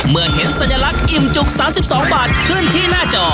เมื่อเห็นสัญลักษณ์อิ่มจุก๓๒บาทขึ้นที่หน้าจอ